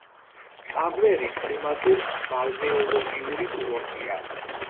წაღვერი კლიმატურ-ბალნეოლოგიური კურორტია.